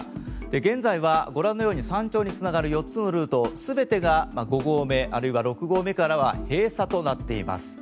現在はご覧のように山頂に繋がる４つのルート全てが五合目あるいは六合目からは閉鎖となっています。